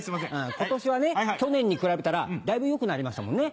今年はね去年に比べたらだいぶ良くなりましたもんね。